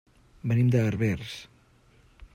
Venim de Herbers.